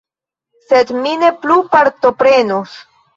Sed mi ne plu partoprenos.